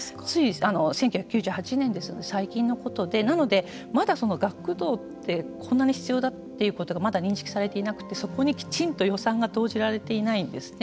１９９８年ですので最近のことでなので、まだ学童ってそんなに必要だということがまだ認識されていなくてそこにきちんと予算が投じられていないんですね。